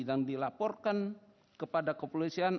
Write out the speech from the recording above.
dan dilaporkan kepada kepolisian